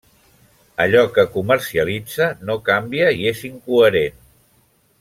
Allò que comercialitza no canvia i és incoherent.